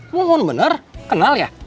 mohon bener kenal ya